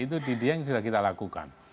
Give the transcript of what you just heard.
itu di dieng sudah kita lakukan